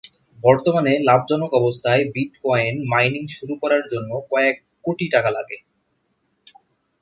বর্তমানে লাভজনক অবস্থায় বিটকয়েন মাইনিং শুরু করার জন্য কয়েক কোটি টাকা লাগে।